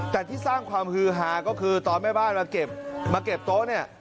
แต่ที่สร้างความฮือฮาก็คือตอนแม่บ้านมาเก็บโต๊ะเนี่ย